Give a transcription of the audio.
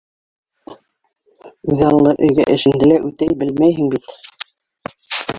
Үҙаллы өйгә эшеңде лә үтәй белмәйһең бит.